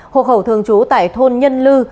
hộ khẩu thường trú tại thôn nhân lư